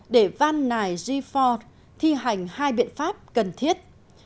để văn nài g ford thi hành hai biện pháp cần thiết